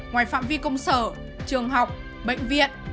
ngoài phạm vi công sở trường học bệnh viện